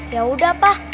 ya udah pak